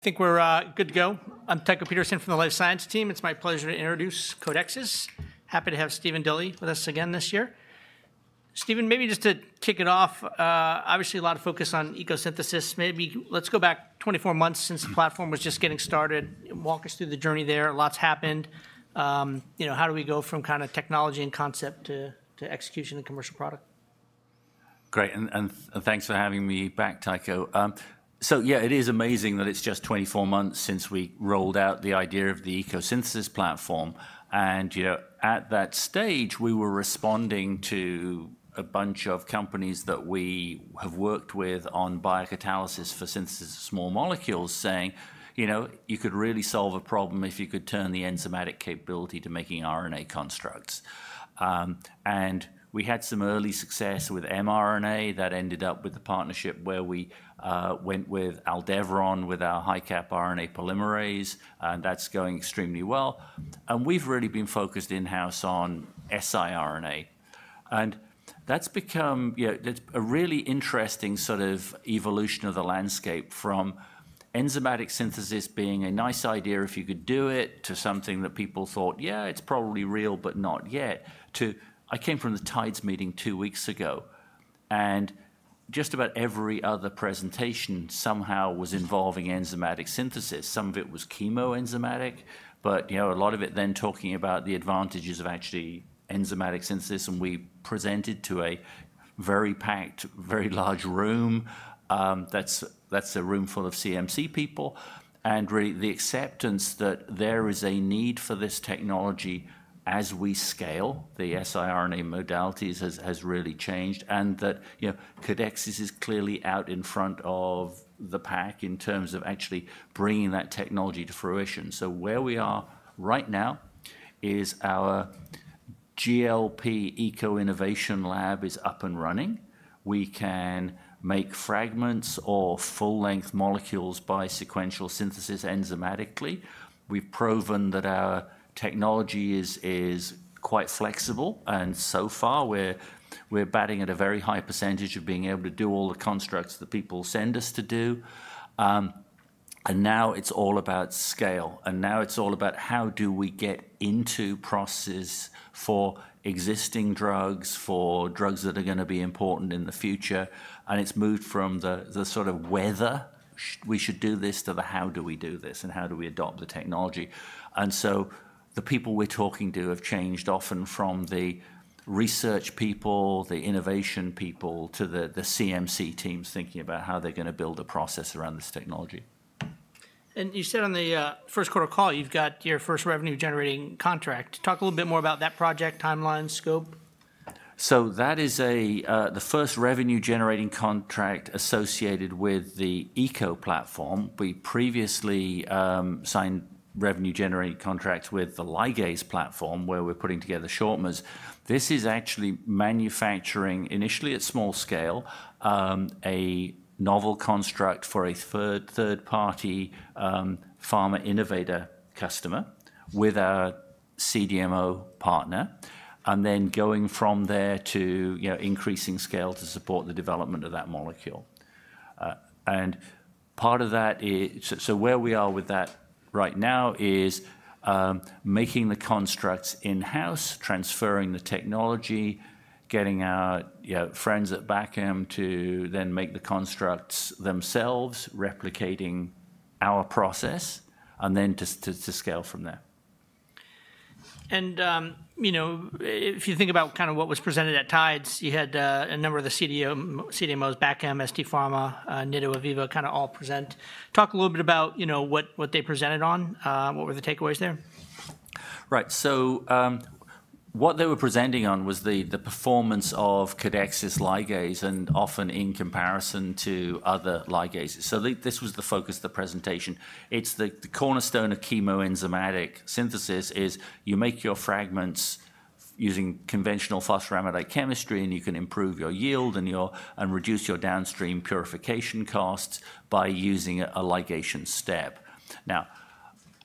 I think we're good to go. I'm Tycho Peterson from the Life Science team. It's my pleasure to introduce Codexis. Happy to have Stephen Dilly with us again this year. Stephen, maybe just to kick it off, obviously a lot of focus on ECO Synthesis. Maybe let's go back 24 months since the platform was just getting started. Walk us through the journey there. Lots happened. How do we go from kind of technology and concept to execution and commercial product? Great. Thanks for having me back, Tycho. Yeah, it is amazing that it's just 24 months since we rolled out the idea of the ECO Synthesis platform. At that stage, we were responding to a bunch of companies that we have worked with on biocatalysis for synthesis of small molecules, saying, you could really solve a problem if you could turn the enzymatic capability to making RNA constructs. We had some early success with mRNA that ended up with the partnership where we went with Aldebaran with our high-cap RNA polymerase. That's going extremely well. We've really been focused in-house on siRNA. That's become a really interesting sort of evolution of the landscape from enzymatic synthesis being a nice idea if you could do it to something that people thought, yeah, it's probably real, but not yet. I came from the Tides meeting two weeks ago. Just about every other presentation somehow was involving enzymatic synthesis. Some of it was chemoenzymatic. A lot of it then talking about the advantages of actually enzymatic synthesis. We presented to a very packed, very large room. That's a room full of CMC people. Really, the acceptance that there is a need for this technology as we scale the siRNA modalities has really changed. Codexis is clearly out in front of the pack in terms of actually bringing that technology to fruition. Where we are right now is our GLP Eco Innovation Lab is up and running. We can make fragments or full-length molecules by sequential synthesis enzymatically. We've proven that our technology is quite flexible. So far, we're batting at a very high percentage of being able to do all the constructs that people send us to do. Now it's all about scale. Now it's all about how do we get into processes for existing drugs, for drugs that are going to be important in the future. It's moved from the sort of whether we should do this to the how do we do this and how do we adopt the technology. The people we're talking to have changed often from the research people, the innovation people, to the CMC teams thinking about how they're going to build a process around this technology. You said on the first quarter call, you've got your first revenue-generating contract. Talk a little bit more about that project timeline, scope. That is the first revenue-generating contract associated with the ECO platform. We previously signed revenue-generating contracts with the ligase platform where we're putting together shortmers. This is actually manufacturing, initially at small scale, a novel construct for a third-party pharma innovator customer with our CDMO partner. From there, we are increasing scale to support the development of that molecule. Where we are with that right now is making the constructs in-house, transferring the technology, getting our friends at Bachem to then make the constructs themselves, replicating our process, and then to scale from there. If you think about kind of what was presented at Tides, you had a number of the CDMOs, Bachem, ST Pharm, Nitto, Aviva, kind of all present. Talk a little bit about what they presented on. What were the takeaways there? Right. What they were presenting on was the performance of Codexis ligase and often in comparison to other ligases. This was the focus of the presentation. It's the cornerstone of chemoenzymatic synthesis: you make your fragments using conventional phosphoramidite chemistry, and you can improve your yield and reduce your downstream purification costs by using a ligation step. Now,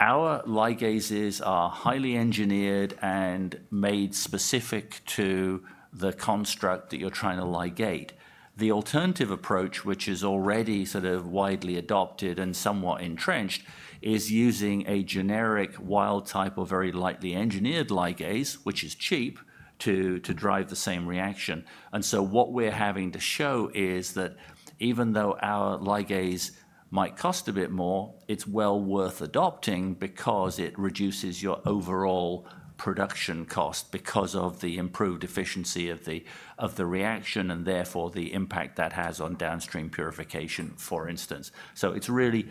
our ligases are highly engineered and made specific to the construct that you're trying to ligate. The alternative approach, which is already sort of widely adopted and somewhat entrenched, is using a generic wild type or very lightly engineered ligase, which is cheap to drive the same reaction. What we're having to show is that even though our ligase might cost a bit more, it's well worth adopting because it reduces your overall production cost because of the improved efficiency of the reaction and therefore the impact that has on downstream purification, for instance. It's really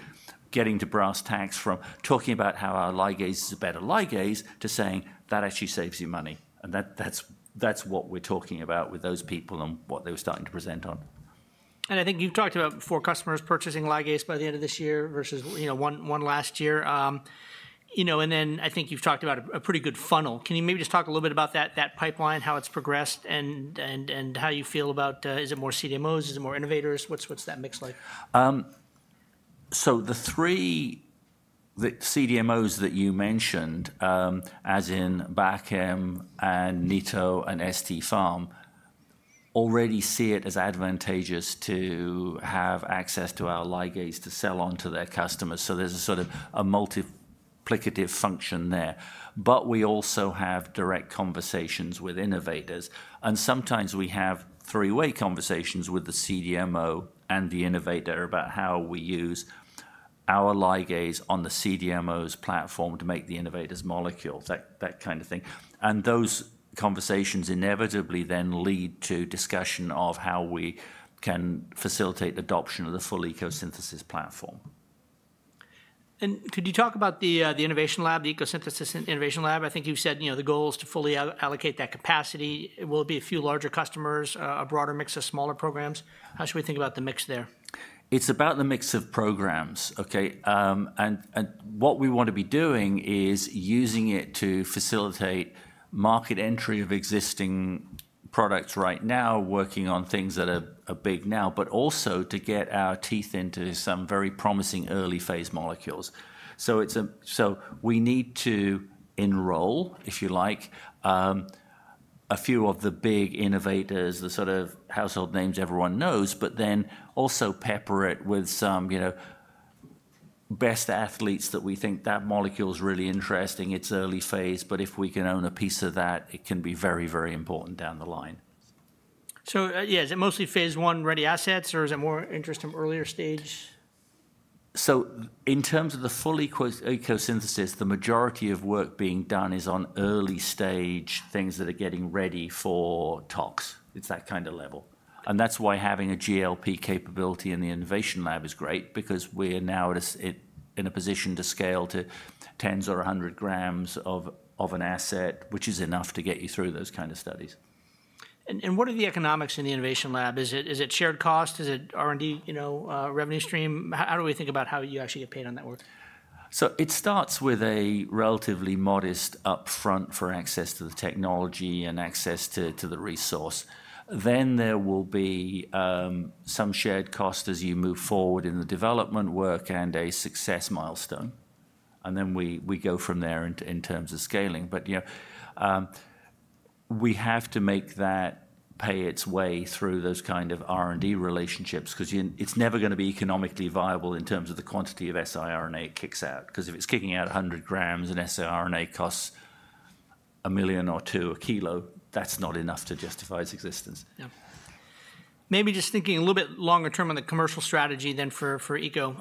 getting to brass tacks from talking about how our ligase is a better ligase to saying that actually saves you money. That's what we're talking about with those people and what they were starting to present on. I think you've talked about four customers purchasing ligase by the end of this year versus one last year. I think you've talked about a pretty good funnel. Can you maybe just talk a little bit about that pipeline, how it's progressed, and how you feel about is it more CDMOs? Is it more innovators? What's that mix like? The three CDMOs that you mentioned, as in Bachem and Nitto and ST Pharm, already see it as advantageous to have access to our ligase to sell on to their customers. There is a sort of a multiplicative function there. We also have direct conversations with innovators. Sometimes we have three-way conversations with the CDMO and the innovator about how we use our ligase on the CDMO's platform to make the innovator's molecule, that kind of thing. Those conversations inevitably then lead to discussion of how we can facilitate adoption of the full ECO Synthesis platform. Could you talk about the innovation lab, the ECO Synthesis innovation lab? I think you've said the goal is to fully allocate that capacity. It will be a few larger customers, a broader mix of smaller programs. How should we think about the mix there? It's about the mix of programs. What we want to be doing is using it to facilitate market entry of existing products right now, working on things that are big now, but also to get our teeth into some very promising early phase molecules. We need to enroll, if you like, a few of the big innovators, the sort of household names everyone knows, but then also pepper it with some best athletes that we think that molecule is really interesting. It's early phase. If we can own a piece of that, it can be very, very important down the line. Yeah, is it mostly phase one ready assets, or is it more interesting earlier stage? In terms of the full ECO Synthesis, the majority of work being done is on early stage things that are getting ready for tox. It's that kind of level. That's why having a GLP capability in the Innovation Lab is great because we're now in a position to scale to 10 or 100 grams of an asset, which is enough to get you through those kind of studies. What are the economics in the innovation lab? Is it shared cost? Is it R&D revenue stream? How do we think about how you actually get paid on that work? It starts with a relatively modest upfront for access to the technology and access to the resource. Then there will be some shared cost as you move forward in the development work and a success milestone. We go from there in terms of scaling. We have to make that pay its way through those kind of R&D relationships because it's never going to be economically viable in terms of the quantity of siRNA it kicks out. If it's kicking out 100 grams and siRNA costs $1 million or $2 million a kilo, that's not enough to justify its existence. Yeah. Maybe just thinking a little bit longer term on the commercial strategy then for ECO.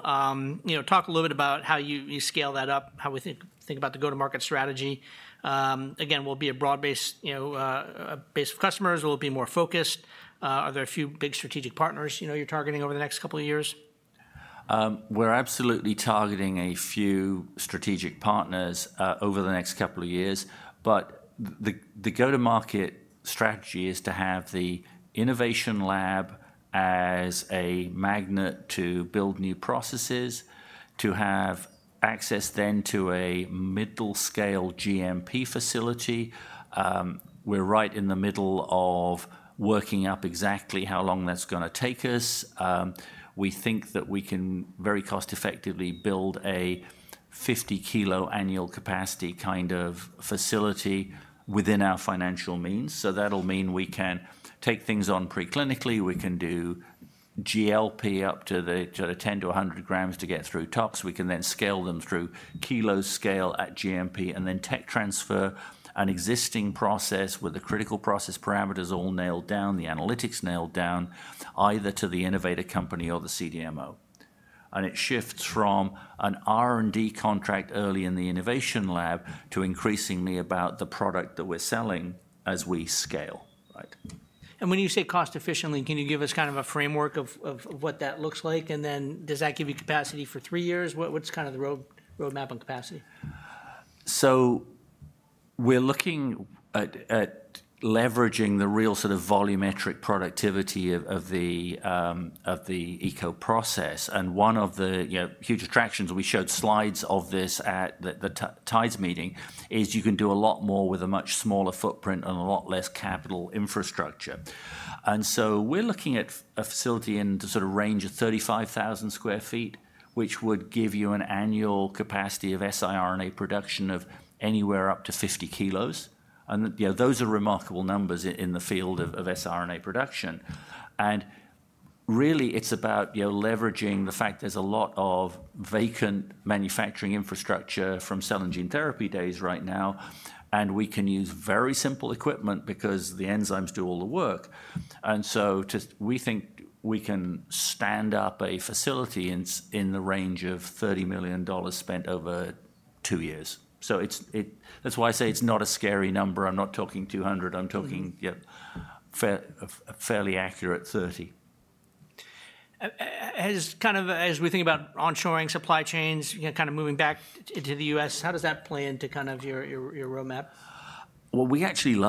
Talk a little bit about how you scale that up, how we think about the go-to-market strategy. Again, will it be a broad-based base of customers? Will it be more focused? Are there a few big strategic partners you're targeting over the next couple of years? We're absolutely targeting a few strategic partners over the next couple of years. The go-to-market strategy is to have the innovation lab as a magnet to build new processes, to have access then to a middle-scale GMP facility. We're right in the middle of working up exactly how long that's going to take us. We think that we can very cost-effectively build a 50 kg annual capacity kind of facility within our financial means. That'll mean we can take things on preclinically. We can do GLP up to 10-100 grams to get through tox. We can then scale them through kilo scale at GMP and then tech transfer an existing process with the critical process parameters all nailed down, the analytics nailed down, either to the innovator company or the CDMO. It shifts from an R&D contract early in the innovation lab to increasingly about the product that we're selling as we scale. When you say cost-efficiently, can you give us kind of a framework of what that looks like? Does that give you capacity for three years? What's kind of the roadmap on capacity? We're looking at leveraging the real sort of volumetric productivity of the ECO process. One of the huge attractions, we showed slides of this at the Tides meeting, is you can do a lot more with a much smaller footprint and a lot less capital infrastructure. We're looking at a facility in the sort of range of 35,000 sq ft, which would give you an annual capacity of siRNA production of anywhere up to 50 kg. Those are remarkable numbers in the field of siRNA production. Really, it's about leveraging the fact there's a lot of vacant manufacturing infrastructure from cell and gene therapy days right now. We can use very simple equipment because the enzymes do all the work. We think we can stand up a facility in the range of $30 million spent over two years. That's why I say it's not a scary number. I'm not talking 200. I'm talking a fairly accurate 30. Kind of as we think about onshoring supply chains, kind of moving back into the U.S., how does that play into kind of your roadmap? It actually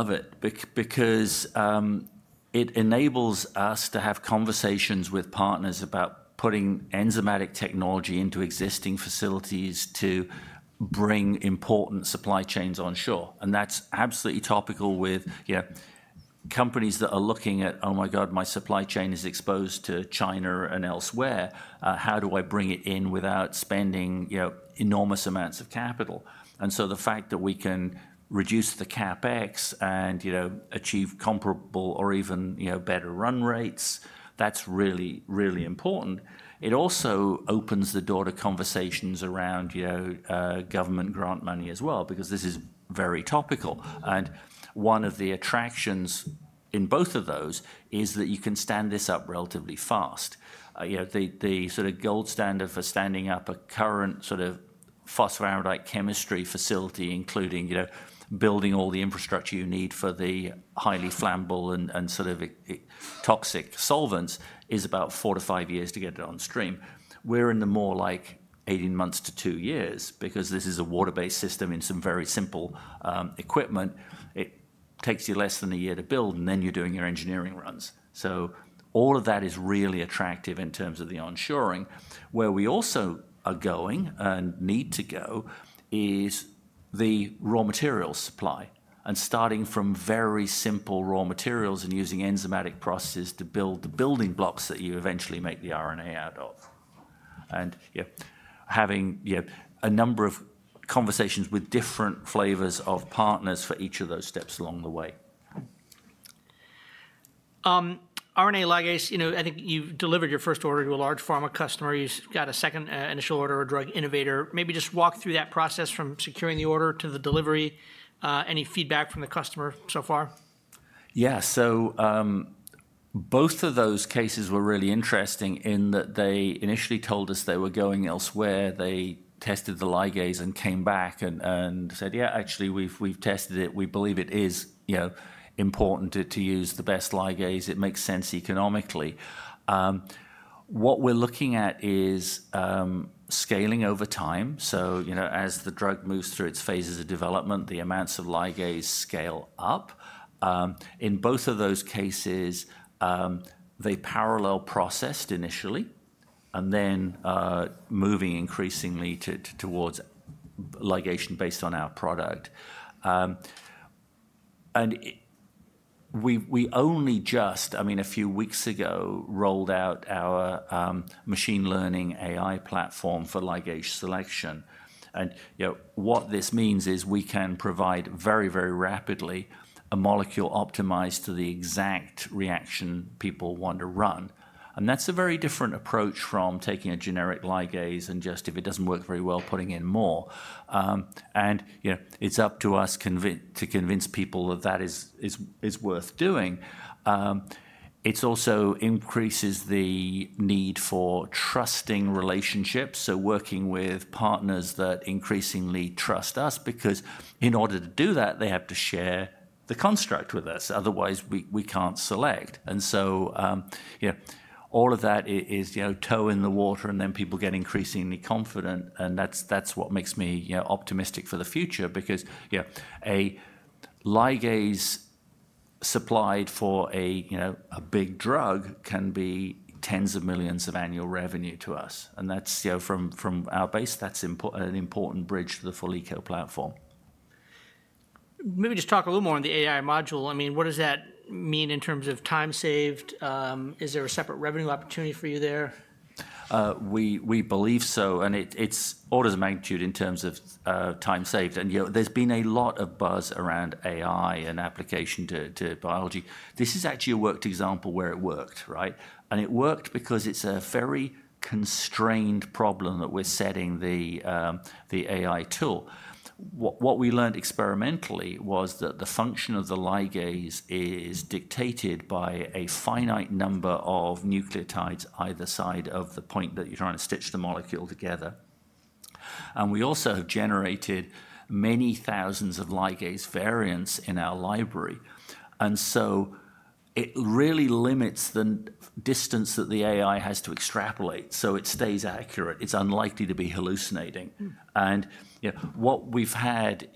enables us to have conversations with partners about putting enzymatic technology into existing facilities to bring important supply chains onshore. That is absolutely topical with companies that are looking at, "Oh my God, my supply chain is exposed to China and elsewhere. How do I bring it in without spending enormous amounts of capital?" The fact that we can reduce the CapEx and achieve comparable or even better run rates is really, really important. It also opens the door to conversations around government grant money as well because this is very topical. One of the attractions in both of those is that you can stand this up relatively fast. The sort of gold standard for standing up a current sort of phosphoramidite chemistry facility, including building all the infrastructure you need for the highly flammable and sort of toxic solvents, is about four to five years to get it on stream. We're in the more like 18 months to two years because this is a water-based system in some very simple equipment. It takes you less than a year to build, and then you're doing your engineering runs. All of that is really attractive in terms of the onshoring. Where we also are going and need to go is the raw material supply and starting from very simple raw materials and using enzymatic processes to build the building blocks that you eventually make the RNA out of. Having a number of conversations with different flavors of partners for each of those steps along the way. RNA ligase, I think you've delivered your first order to a large pharma customer. You've got a second initial order, a drug innovator. Maybe just walk through that process from securing the order to the delivery. Any feedback from the customer so far? Yeah. Both of those cases were really interesting in that they initially told us they were going elsewhere. They tested the ligase and came back and said, "Yeah, actually, we've tested it. We believe it is important to use the best ligase. It makes sense economically." What we're looking at is scaling over time. As the drug moves through its phases of development, the amounts of ligase scale up. In both of those cases, they parallel processed initially and then moving increasingly towards ligation based on our product. We only just, I mean, a few weeks ago, rolled out our Machine Learning AI Platform for ligase selection. What this means is we can provide very, very rapidly a molecule optimized to the exact reaction people want to run. That is a very different approach from taking a generic ligase and just, if it does not work very well, putting in more. It is up to us to convince people that that is worth doing. It also increases the need for trusting relationships, so working with partners that increasingly trust us because in order to do that, they have to share the construct with us. Otherwise, we cannot select. All of that is toe in the water, and then people get increasingly confident. That is what makes me optimistic for the future because a ligase supplied for a big drug can be tens of millions of annual revenue to us. From our base, that is an important bridge to the full ECO platform. Maybe just talk a little more on the AI module. I mean, what does that mean in terms of time saved? Is there a separate revenue opportunity for you there? We believe so. It is orders of magnitude in terms of time saved. There has been a lot of buzz around AI and application to biology. This is actually a worked example where it worked, right? It worked because it is a very constrained problem that we are setting the AI tool. What we learned experimentally was that the function of the ligase is dictated by a finite number of nucleotides either side of the point that you are trying to stitch the molecule together. We also have generated many thousands of ligase variants in our library. It really limits the distance that the AI has to extrapolate, so it stays accurate. It is unlikely to be hallucinating. What we have had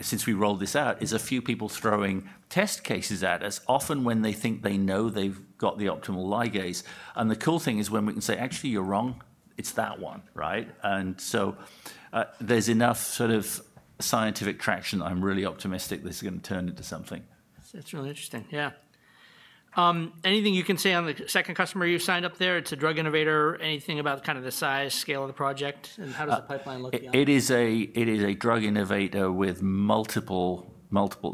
since we rolled this out is a few people throwing test cases at us, often when they think they know they have got the optimal ligase. The cool thing is when we can say, "Actually, you're wrong. It's that one," right? There is enough sort of scientific traction. I'm really optimistic this is going to turn into something. That's really interesting. Yeah. Anything you can say on the second customer you signed up there? It's a drug innovator. Anything about kind of the size, scale of the project? How does the pipeline look? It is a drug innovator with multiple,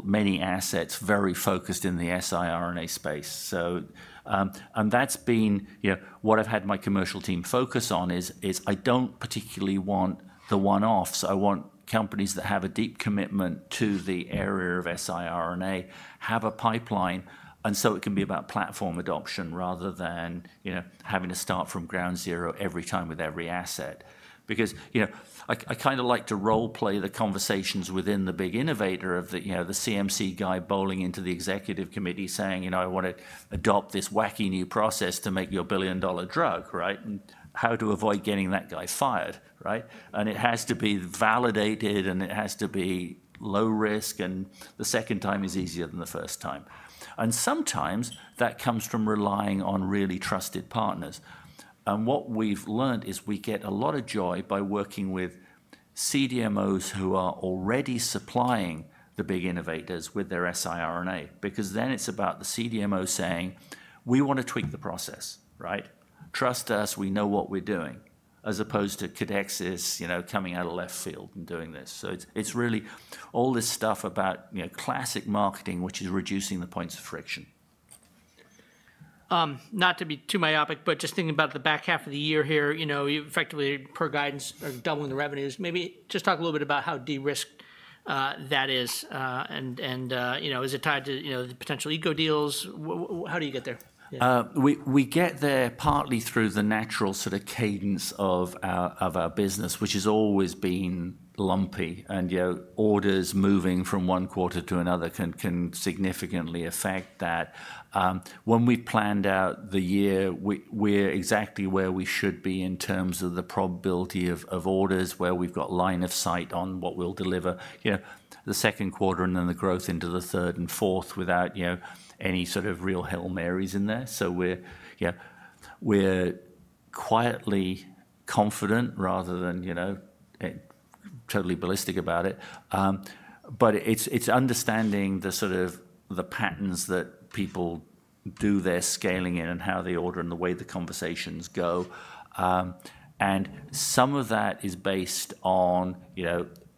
many assets, very focused in the siRNA space. That has been what I have had my commercial team focus on. I do not particularly want the one-offs. I want companies that have a deep commitment to the area of siRNA, have a pipeline. It can be about platform adoption rather than having to start from ground zero every time with every asset. I kind of like to role-play the conversations within the big innovator of the CMC guy bowling into the executive committee saying, "I want to adopt this wacky new process to make your billion-dollar drug," right? How to avoid getting that guy fired, right? It has to be validated, and it has to be low risk. The second time is easier than the first time. Sometimes that comes from relying on really trusted partners. What we've learned is we get a lot of joy by working with CDMOs who are already supplying the big innovators with their siRNA because then it's about the CDMO saying, "We want to tweak the process," right? "Trust us. We know what we're doing," as opposed to Codexis coming out of left field and doing this. It is really all this stuff about classic marketing, which is reducing the points of friction. Not to be too myopic, but just thinking about the back half of the year here, effectively per guidance, doubling the revenues. Maybe just talk a little bit about how de-risked that is. Is it tied to potential ECO deals? How do you get there? We get there partly through the natural sort of cadence of our business, which has always been lumpy. Orders moving from one quarter to another can significantly affect that. When we planned out the year, we're exactly where we should be in terms of the probability of orders, where we've got line of sight on what we'll deliver the second quarter and then the growth into the third and fourth without any sort of real Hail Mary's in there. We're quietly confident rather than totally ballistic about it. It's understanding the sort of patterns that people do their scaling in and how they order and the way the conversations go. Some of that is based on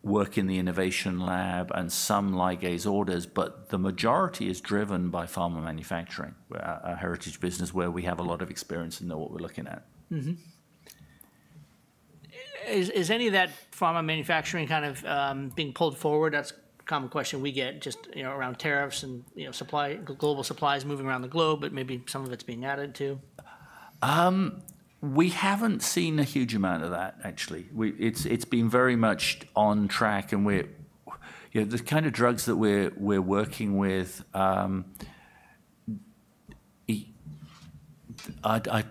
work in the innovation lab and some ligase orders, but the majority is driven by pharma manufacturing, a heritage business where we have a lot of experience in what we're looking at. Is any of that pharma manufacturing kind of being pulled forward? That's a common question we get just around tariffs and global supplies moving around the globe, but maybe some of it's being added to. We haven't seen a huge amount of that, actually. It's been very much on track. The kind of drugs that we're working with, I'm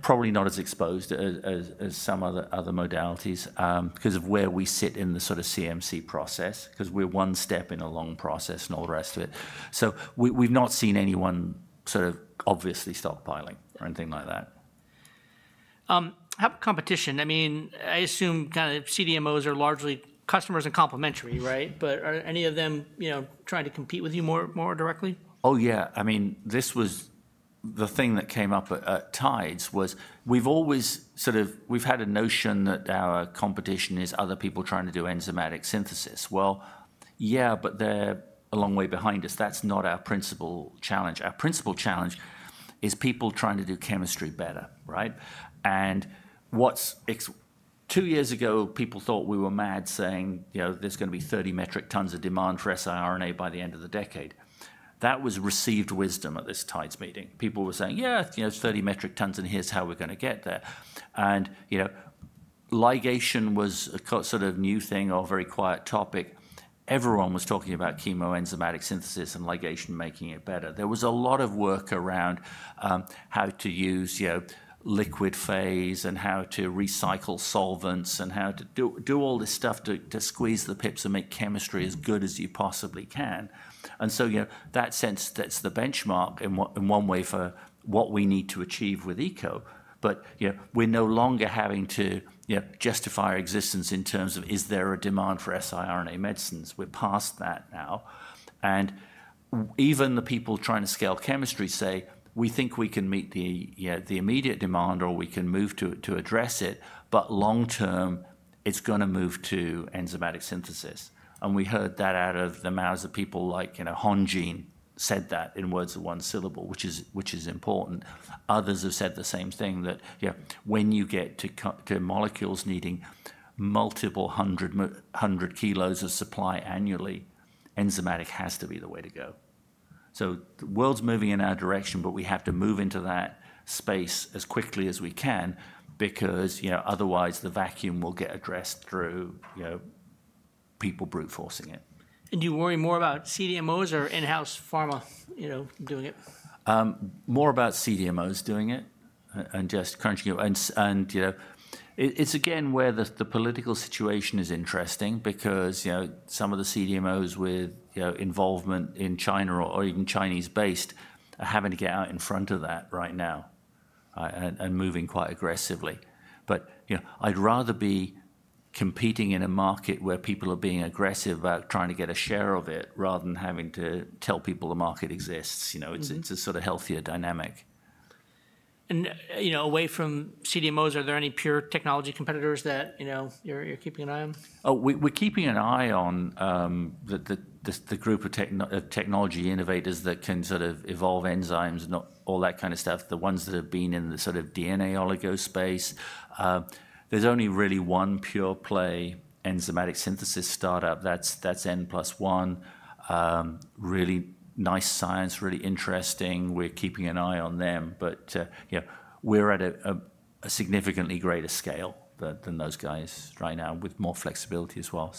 probably not as exposed as some of the other modalities because of where we sit in the sort of CMC process, because we're one step in a long process and all the rest of it. We've not seen anyone sort of obviously stockpiling or anything like that. How about competition? I mean, I assume kind of CDMOs are largely customers and complementary, right? Are any of them trying to compete with you more directly? Oh, yeah. I mean, this was the thing that came up at Tides was we've always sort of had a notion that our competition is other people trying to do enzymatic synthesis. Yeah, but they're a long way behind us. That's not our principal challenge. Our principal challenge is people trying to do chemistry better, right? Two years ago, people thought we were mad saying there's going to be 30 metric tons of demand for siRNA by the end of the decade. That was received wisdom at this Tides Meeting. People were saying, "Yeah, 30 metric tons, and here's how we're going to get there." Ligation was a sort of new thing or very quiet topic. Everyone was talking about chemoenzymatic synthesis and ligation making it better. There was a lot of work around how to use liquid phase and how to recycle solvents and how to do all this stuff to squeeze the pips and make chemistry as good as you possibly can. In that sense, that is the benchmark in one way for what we need to achieve with ECO. We are no longer having to justify our existence in terms of is there a demand for siRNA Medicines. We are past that now. Even the people trying to scale chemistry say, "We think we can meet the immediate demand or we can move to address it, but long term, it is going to move to enzymatic synthesis." We heard that out of the mouths of people like Hong Jin said that in words of one syllable, which is important. Others have said the same thing, that when you get to molecules needing multiple hundred kilos of supply annually, enzymatic has to be the way to go. The world's moving in our direction, but we have to move into that space as quickly as we can because otherwise the vacuum will get addressed through people brute forcing it. Do you worry more about CDMOs or in-house pharma doing it? More about CDMOs doing it and just crunching it. It's again where the political situation is interesting because some of the CDMOs with involvement in China or even Chinese-based are having to get out in front of that right now and moving quite aggressively. I'd rather be competing in a market where people are being aggressive about trying to get a share of it rather than having to tell people the market exists. It's a sort of healthier dynamic. Away from CDMOs, are there any pure technology competitors that you're keeping an eye on? Oh, we're keeping an eye on the group of technology innovators that can sort of evolve enzymes, all that kind of stuff, the ones that have been in the sort of DNA oligo space. There's only really one pure play enzymatic synthesis startup. That's N+1. Really nice science, really interesting. We're keeping an eye on them. We're at a significantly greater scale than those guys right now with more flexibility as well.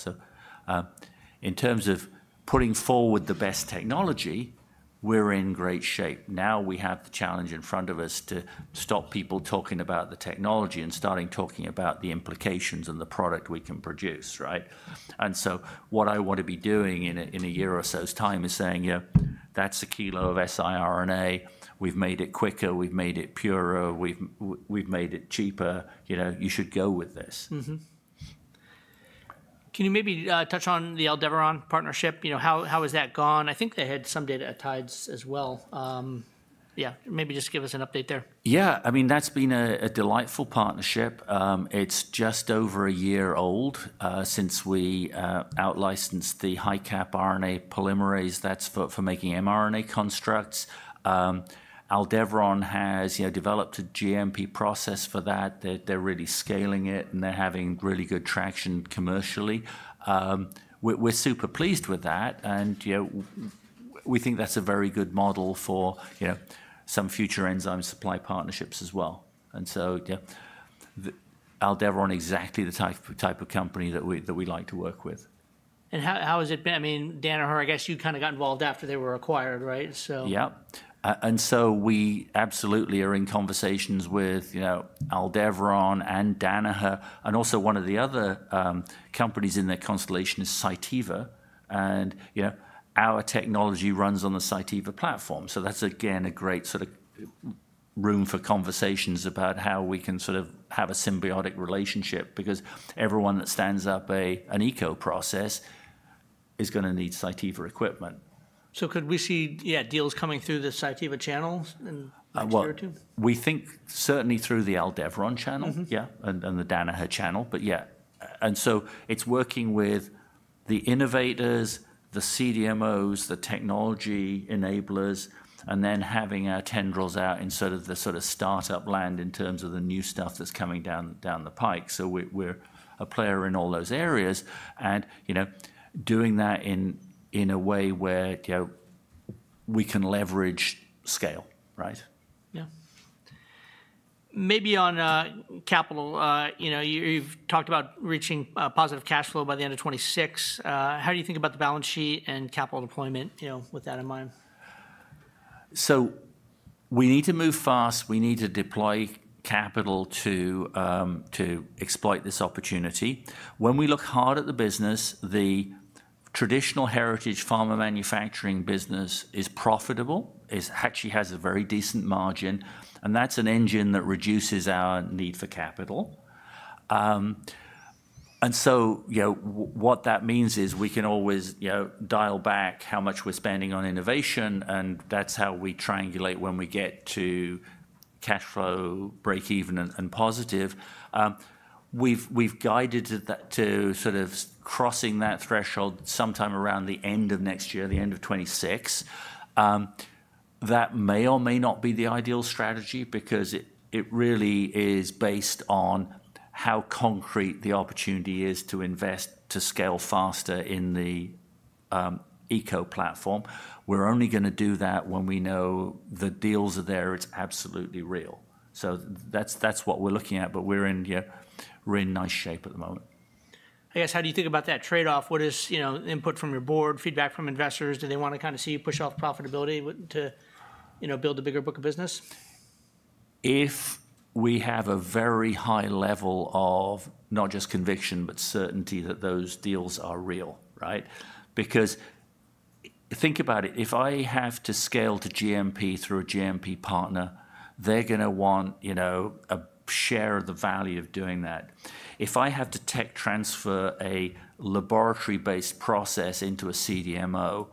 In terms of putting forward the best technology, we're in great shape. Now we have the challenge in front of us to stop people talking about the technology and start talking about the implications and the product we can produce, right? What I want to be doing in a year or so's time is saying, "That's a kilo of siRNA. We've made it quicker. We've made it purer. We've made it cheaper. You should go with this. Can you maybe touch on the Aldebaran Partnership? How has that gone? I think they had some data at Tides as well. Yeah, maybe just give us an update there. Yeah. I mean, that's been a delightful partnership. It's just over a year old since we out-licensed the high-cap RNA polymerase that's for making mRNA constructs. Aldebaran has developed a GMP process for that. They're really scaling it, and they're having really good traction commercially. We're super pleased with that. We think that's a very good model for some future enzyme supply partnerships as well. Aldebaran is exactly the type of company that we like to work with. How has it been? I mean, Danaher, I guess you kind of got involved after they were acquired, right? Yep. We absolutely are in conversations with Aldebaran and Danaher. Also, one of the other companies in their constellation is Cytiva. Our technology runs on the Cytiva Platform. That is, again, a great sort of room for conversations about how we can sort of have a symbiotic relationship because everyone that stands up an eco process is going to need Cytiva equipment. Could we see, yeah, deals coming through the Cytiva channel in a year or two? We think certainly through the Aldebaran channel, yeah, and the Danaher channel. Yeah, and so it's working with the innovators, the CDMOs, the technology enablers, and then having our tendrils out in sort of the sort of startup land in terms of the new stuff that's coming down the pike. We are a player in all those areas and doing that in a way where we can leverage scale, right? Yeah. Maybe on capital, you've talked about reaching positive cash flow by the end of 2026. How do you think about the balance sheet and capital deployment with that in mind? We need to move fast. We need to deploy capital to exploit this opportunity. When we look hard at the business, the traditional heritage pharma manufacturing business is profitable. It actually has a very decent margin. That is an engine that reduces our need for capital. What that means is we can always dial back how much we're spending on innovation. That is how we triangulate when we get to cash flow break-even and positive. We've guided to sort of crossing that threshold sometime around the end of next year, the end of 2026. That may or may not be the ideal strategy because it really is based on how concrete the opportunity is to invest to scale faster in the ECO Synthesis Platform. We're only going to do that when we know the deals are there. It's absolutely real. That is what we're looking at. We're in nice shape at the moment. I guess, how do you think about that trade-off? What is input from your board, feedback from investors? Do they want to kind of see you push off profitability to build a bigger book of business? If we have a very high level of not just conviction, but certainty that those deals are real, right? Because think about it. If I have to scale to GMP through a GMP partner, they're going to want a share of the value of doing that. If I have to tech transfer a laboratory-based process into a CDMO,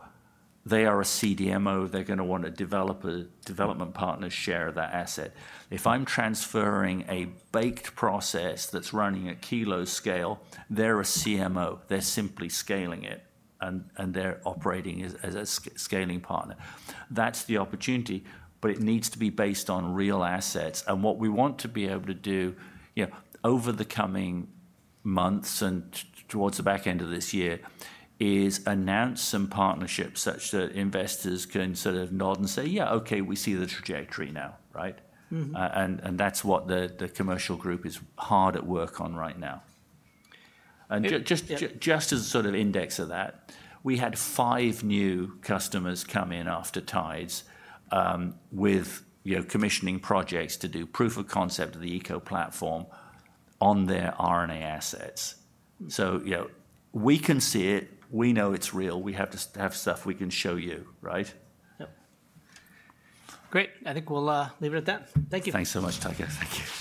they are a CDMO. They're going to want a development partner share of that asset. If I'm transferring a baked process that's running at kilo scale, they're a CMO. They're simply scaling it, and they're operating as a scaling partner. That's the opportunity, but it needs to be based on real assets. What we want to be able to do over the coming months and towards the back end of this year is announce some partnerships such that investors can sort of nod and say, "Yeah, okay, we see the trajectory now," right? That is what the commercial group is hard at work on right now. Just as a sort of index of that, we had five new customers come in after Tides with commissioning projects to do proof of concept of the ECO Platform on their RNA assets. We can see it. We know it is real. We have to have stuff we can show you, right? Yep. Great. I think we'll leave it at that. Thank you. Thanks so much, Tycho. Thank you.